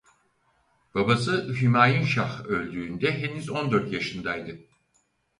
Babası Hümayun Şah öldüğünde henüz on dört yaşındaydı.